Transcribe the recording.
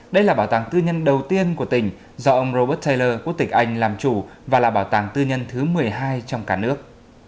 đây là bảo tàng tư nhân đầu tiên của tỉnh do ông robert tayler quốc tịch anh làm chủ và là bảo tàng tư nhân thứ một mươi hai trong cả nước